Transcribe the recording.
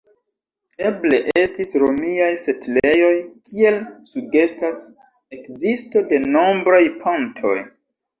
Eble estis romiaj setlejoj, kiel sugestas ekzisto de nombraj pontoj.